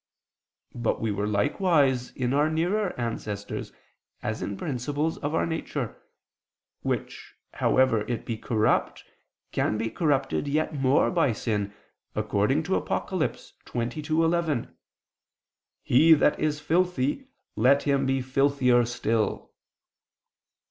But we were likewise in our nearer ancestors, as in principles of our nature, which however it be corrupt, can be corrupted yet more by sin, according to Apoc. 22:11: "He that is filthy, let him be filthier still."